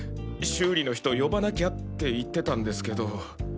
修理の人呼ばなきゃって言ってたんですけど。